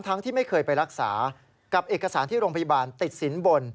ที่ไม่เคยไปรักษากับเอกสารที่โรงพยาบาลติดสินบน